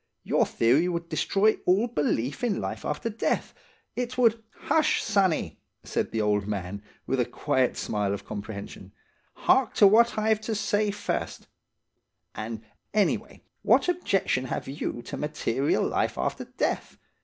"Your theory would destroy all belief in life after death. It would —" "Hush, sonny," said the old man, with a quiet little smile of comprehension. "Hark to what I've to say first; and, anyway, what objection have you to material life after death?